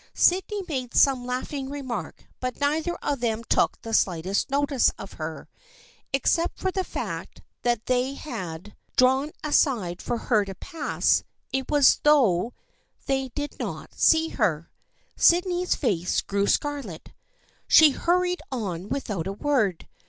Sydney made some laughing remark but neither of them took the slightest notice of her. Except for the fact that they had 82 THE FKIENDSHIP OF ANNE drawn aside for her to pass, it was as though they did not see her. Sydney's face grew scarlet. She hurried on without a word.